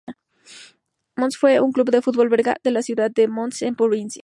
Mons fue un club de fútbol belga de la ciudad de Mons en provincia.